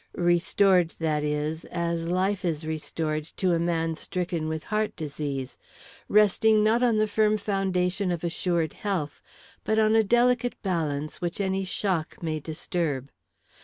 Restored, that is, as life is restored to a man stricken with heart disease; resting not on the firm foundation of assured health, but on a delicate balance which any shock may disturb.